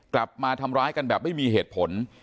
กลับมาทำร้ายกันแบบไม่มีเหตุผล